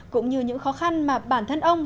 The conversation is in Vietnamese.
cũng như những khó khăn mà bản thân ông